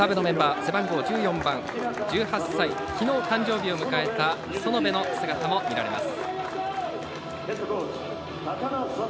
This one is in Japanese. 背番号１４番は１８歳、きのう誕生日を迎えた園部の姿も見られます。